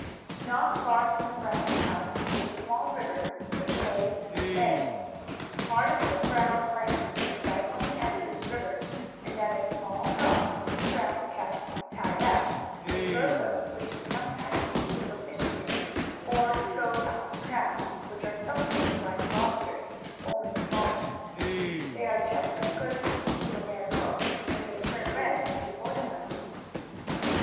Not far from the Brown's house was a small river that flowed into the bay. Part of the Brown land was right on the edge of this river and at a small dock Mr. Brown kept, tied up, a rowboat which he sometimes used to go fishing in, or to go after crabs, which are something like lobsters, only smaller. They are just as good to eat when they are cooked, and they turn red when you boil them.